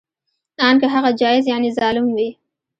ان که هغه جائر یعنې ظالم وي